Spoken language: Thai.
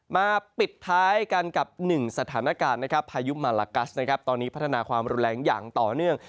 มาปิดท้ายกันกับหนึ่งสถานการณ์นะครับพายุมาลากัสนะครับตอนนี้พัฒนาความรุนแรงอย่างต่อเนื่อง